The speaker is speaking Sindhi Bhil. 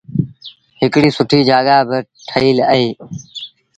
هڪڙيٚ سُٺي جآڳآ با ٺهيٚل اهي۔